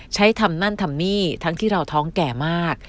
ใช้ทำนั่นทำนี่ทั้งที่เราท้องแก่มาก